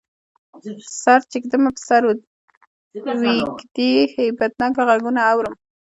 سر چی ږدمه په سر ویږدی، هیبتناک غږونه اورم